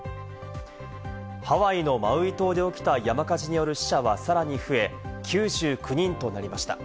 ハワイのマウイ島で起きた山火事による死者はさらに増え、９９人となりました。